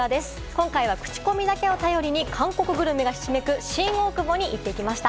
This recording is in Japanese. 今回はクチコミだけを頼りに韓国グルメがひしめく新大久保に行ってきました。